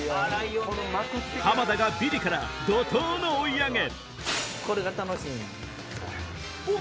浜田がビリから怒濤の追い上げおっ！